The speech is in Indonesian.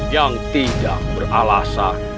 yang tidak beralasan